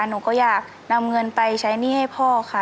หนูก็อยากนำเงินไปใช้หนี้ให้พ่อค่ะ